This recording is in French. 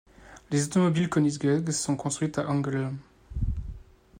Les automobiles Koenigsegg sont construites à Ängelholm.